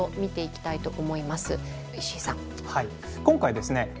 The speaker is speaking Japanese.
今回ですね